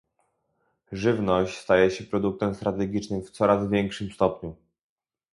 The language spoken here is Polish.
Żywność staje się produktem strategicznym w coraz większym stopniu